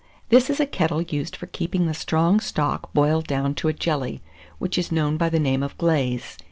This is a kettle used for keeping the strong stock boiled down to a jelly, which is known by the name of glaze.